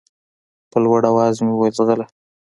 په لوړ اواز مې وويل ځغله.